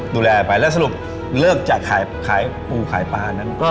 ดูแลไปแล้วสรุปเลิกจากขายปูขายปลานั้น